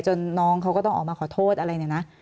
น้องเขาก็ต้องออกมาขอโทษอะไรเนี่ยนะ